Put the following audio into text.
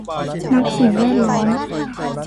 นักสิ่งแวดล้อม